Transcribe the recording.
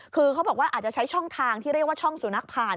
คือเขาบอกว่าอาจจะใช้ช่องทางที่เรียกว่าช่องสุนัขผ่าน